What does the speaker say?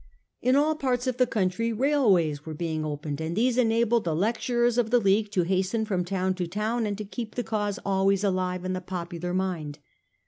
In all parts of the country railways were being opened, and these enabled the lecturers of the League to hasten from town to town and to keep the cause always alive in the popu lar mind.